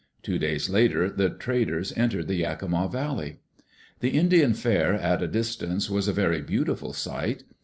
Two days later the traders entered the Yakima Valley. The Indian fair at a distance was a very beautiful sight.